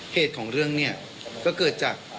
เหตุของเรื่องเนี่ยก็เกิดจาก